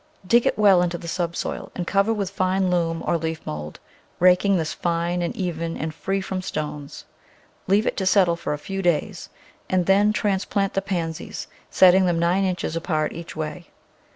Dig it well into the subsoil and cover with fine loam or leaf mould, raking this fine and even and free from stones. Leave it to settle for a few days and then transplant the Pansies, setting them nine inches apart each way.